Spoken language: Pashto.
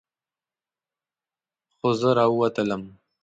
خو زه راووتلم.